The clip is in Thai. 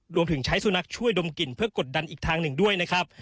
รวมถึงใช้สุนัขช่วยดมกลิ่นเพื่อกดดันอีกทางหนึ่งด้วยนะครับ